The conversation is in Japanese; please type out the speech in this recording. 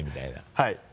はい。